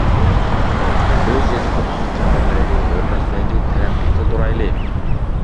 ئۆز يېزىقىمىزنى قەدىرلەيلى، ھۆرمەتلەيلى، تەرەققىي قىلدۇرايلى!